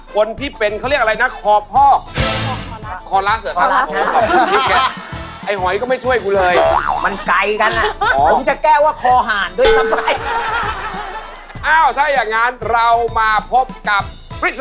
ใครก็แน่ที่จะเป็นนักร้องประสานเสียงตัวจริง